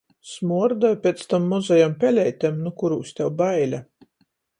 Smuordoj piec tom mozajom peleitem, nu kurūs tev baile.